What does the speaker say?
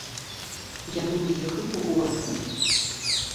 Яны ўехалі ў горад.